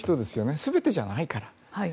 全てじゃないから。